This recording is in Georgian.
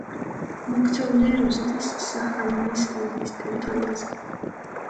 მოქცეულია რუსეთის სახალინის ოლქის ტერიტორიაზე.